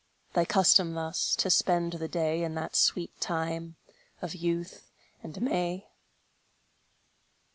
Thy custom thus to spend the day In that sweet time of youth and May!